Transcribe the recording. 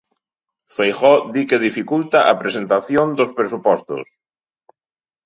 Feijóo di que dificulta a presentación dos presupostos.